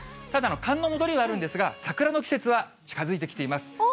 ただ、寒の戻りはあるんですけど、桜の季節は近づいてきています。